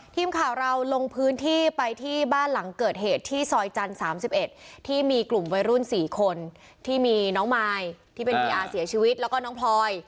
ทีมข่าวเราลงพื้นที่ไปที่บ้านหลังเกิดเหตุที่ซอยจันทร์๓๑ที่มีกลุ่มวัยรุ่น๔คนที่มีน้องมายที่เป็นพี่อาเสียชีวิตแล้วก็น้องพลอย